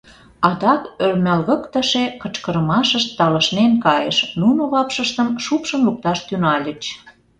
Адак ӧрмалгыктыше кычкырымашышт талышнен кайыш: нуно вапшыштым шупшын лукташ тӱҥальыч.